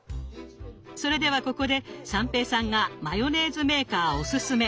それではここで三平さんがマヨネーズメーカーおすすめ！